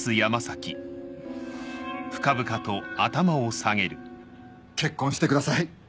だから。結婚してください。